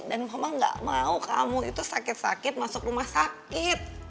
dan mama gak mau kamu itu sakit sakit masuk rumah sakit